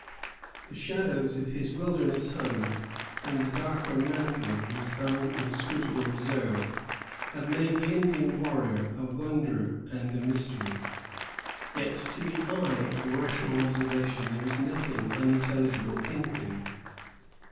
The shadows of his wilderness home, and the darker mantle of his own inscrutable reserve, have made the Indian warrior a wonder and a mystery. Yet to the eye of rational observation there is nothing unintelligible in him.